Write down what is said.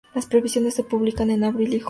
Las previsiones se publican en abril y junio.